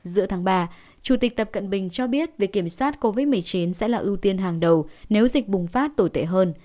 giữa tháng ba chủ tịch tập cận bình cho biết việc kiểm soát covid một mươi chín sẽ là ưu tiên hàng đầu nếu dịch bùng phát tồi tệ hơn